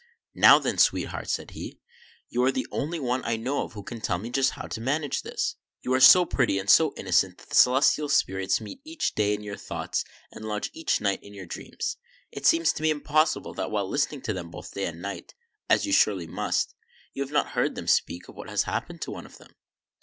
" Now, then, sweetheart," said he, "you are the only one that I know of who can tell me just how to manage this. You THE LAME ANGEL 105 are so pretty and so innocent that the celestial spirits meet each day in your thoughts and lodge each night in your dreams. It seems to me impossible that, while listening to them both day and night, as you surely must, you have not heard them speak of what has happened to one of them."